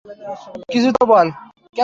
কিছু তো বল।